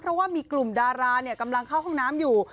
เพราะว่ามีกลุ่มดารากำลังเข้าห้องน้ำอยู่